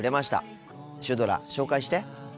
シュドラ紹介して。